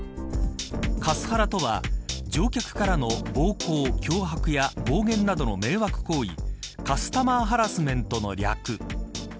カスハラとは乗客からの暴行、脅迫や暴言などの迷惑行為カスタマーハラスメントの略。